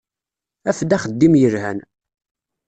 Af-d axeddim yelhan.